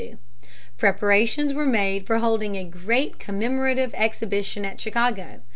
Preparations were made for holding a great commemorative exhibition at Chicago.